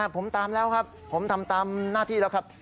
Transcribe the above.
ผมตามแล้วครับผมทำตามหน้าที่แล้วครับ